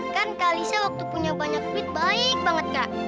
kan kalisnya waktu punya banyak duit baik banget kak